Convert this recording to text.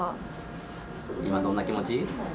今どんな気持ち？